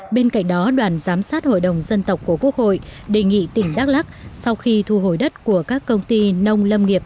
bên cạnh đó đoàn giám sát hội đồng dân tộc của quốc hội đề nghị tỉnh đắk lắc sau khi thu hồi đất của các công ty nông lâm nghiệp